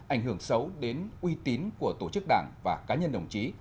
ảnh hưởng xấu đến uy tín của tổ chức đảng và cá nhân đồng chí